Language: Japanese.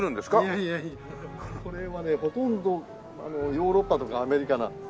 いやいやこれはねほとんどヨーロッパとかアメリカなんです。